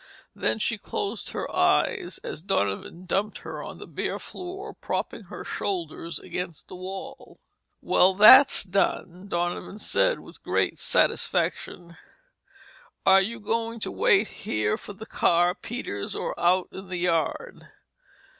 Then she closed her eyes as Donovan dumped her on the bare floor, propping her shoulders against the wall. "Well, that's done," Donovan said with great satisfaction. "Are you going to wait here for the car, Peters, or out in the yard?"